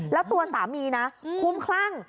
แล้วตัวสามีนะคุ้มคลั่ง